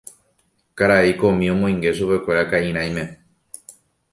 Karai komi omoinge chupekuéra ka'irãime.